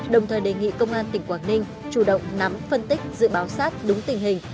đồng thời đề nghị công an tỉnh quảng ninh chủ động nắm phân tích dự báo sát đúng tình hình